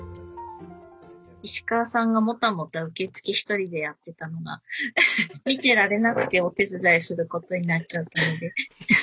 「石川さんがもたもた受付１人でやってたのが見てられなくてお手伝いする事になっちゃったので」